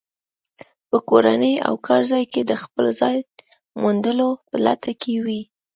په کورنۍ او کارځای کې د خپل ځای موندلو په لټه کې وي.